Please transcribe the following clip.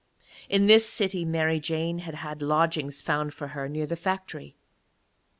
In this city Mary Jane had had lodgings found for her near the factory.